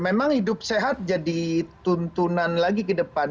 memang hidup sehat jadi tuntunan lagi ke depan